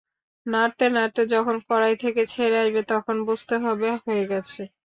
নাড়তে নাড়তে যখন কড়াই থেকে ছেড়ে আসবে তখন বুঝতে হবে হয়ে গেছে।